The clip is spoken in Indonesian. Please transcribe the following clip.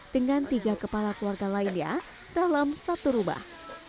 dengan tiga kepala keluarga lainnya dalam satu rubah